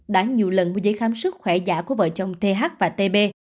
đã nhiều lần mua giấy khám sức khỏe giả của vợ chồng th và tb